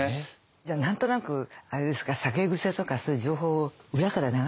じゃあ何となくあれですか酒癖とかそういう情報を裏から流してたかもしれないんですか？